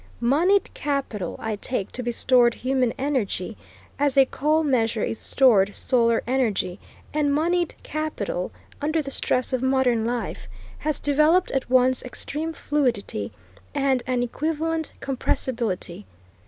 Moneyed capital I take to be stored human energy, as a coal measure is stored solar energy; and moneyed capital, under the stress of modern life, has developed at once extreme fluidity, and an equivalent compressibility.